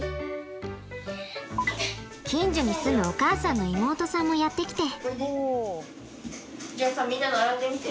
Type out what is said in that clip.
近所に住むお母さんの妹さんもやって来て。